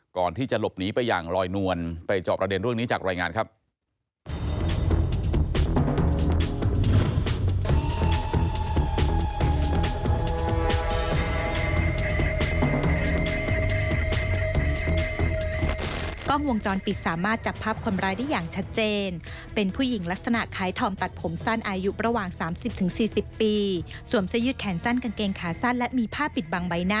ก่อนที่จะหลบหนีไปอย่างลอยนวลไปจอบประเด็นเรื่องนี้จากรายงานครับ